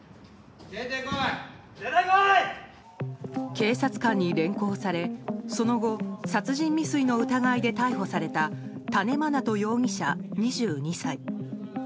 警察官に連行され、その後殺人未遂の疑いで逮捕された多禰茉奈都容疑者、２２歳。